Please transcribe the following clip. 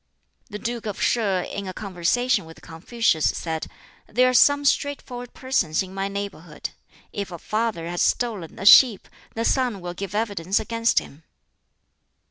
The Duke of Sheh in a conversation with Confucius said, "There are some straightforward persons in my neighborhood. If a father has stolen a sheep, the son will give evidence against him."